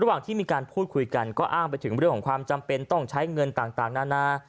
ระหว่างที่มีการพูดคุยกันก็อ้างไปถึงเรื่องของความจำเป็นต้องใช้เงินต่างนานา